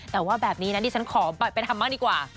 แต่ว่าแบบนี้นะดิฉันขอไปทำบ้างดีกว่า